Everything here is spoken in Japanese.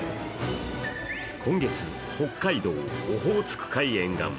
今月、北海道オホーツク海沿岸。